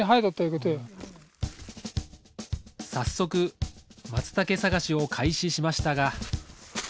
早速マツタケ探しを開始しましたが。